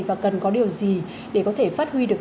và cần có điều gì để có thể phát huy được